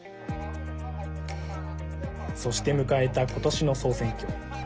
そして迎えた今年の総選挙。